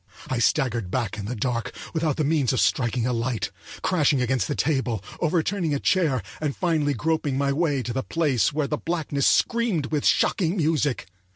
I staggered back in the dark, without the means of striking a light, crashing against the table, overturning a chair, and finally groping my way to the place where the blackness screamed with shocking music.